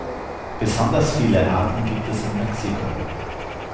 Besonders viele Arten gibt es in Mexiko.